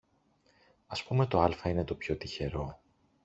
Ας πούμε το άλφα είναι το πιο τυχερό